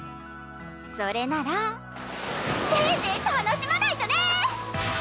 それならせいぜい楽しまないとね！